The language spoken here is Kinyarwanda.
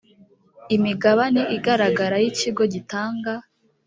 imigabane igaragara y ikigo gitanga